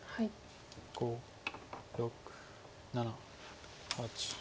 ５６７８。